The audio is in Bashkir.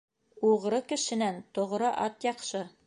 Уғры кешенән тоғро ат яҡшы.